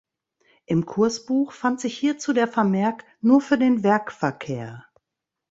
Im Kursbuch fand sich hierzu der Vermerk „nur für den Werkverkehr“.